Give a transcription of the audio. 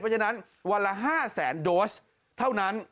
เพราะฉะนั้นวันละ๕แสนโดสเท่านั้น